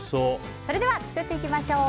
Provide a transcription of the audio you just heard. それでは作っていきましょう。